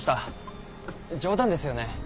冗談ですよね？